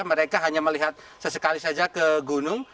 mereka hanya melihat sesekali saja ke gunung